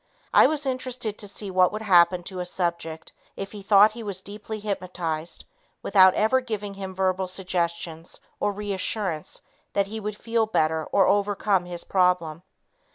I was interested to see what would happen to a subject if he thought he was deeply hypnotized without ever giving him verbal suggestions or reassurance that he would feel better or overcome his problem.